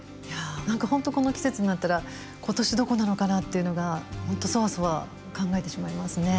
何か本当この季節になったら今年どこなのかなっていうのが本当そわそわ考えてしまいますね。